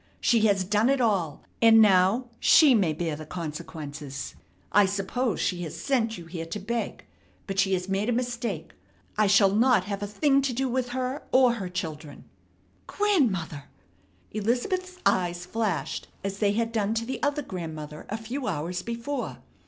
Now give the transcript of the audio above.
She has done it all, and now she may bear the consequences. I suppose she has sent you here to beg, but she has made a mistake. I shall not have a thing to do with her of her children." "Grandmother!" Elizabeth's eyes flashed as they had done to the other grandmother a few hours before.